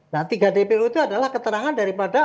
nah tiga dpo itu adalah keterangan daripada